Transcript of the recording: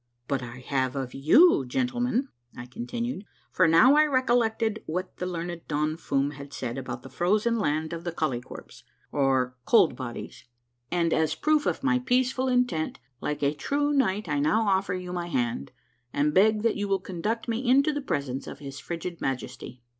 " But I have of you, gentlemen," I continued, — for now I rec ollected what the learned Don Fum had said about the frozen land of the Koltykwerps, or Cold Bodies, —" and as proof of my peaceful intent, like a true knight I now offer you my hand, and beg that you will conduct me into the presence of his frigid Majesty."